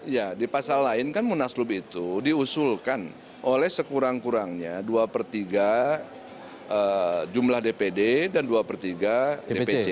ya di pasal lain kan munaslup itu diusulkan oleh sekurang kurangnya dua per tiga jumlah dpd dan dua per tiga dpc